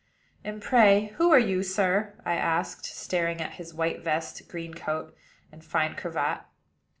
"And, pray, who are you, sir?" I asked, staring at his white vest, green coat, and fine cravat.